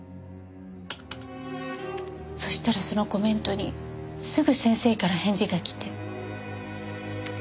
そしたらそのコメントにすぐ先生から返事が来て。